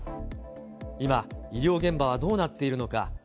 今、医療現場はどうなっているのか。